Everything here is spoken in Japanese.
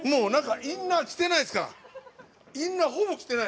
インナー着てないですから。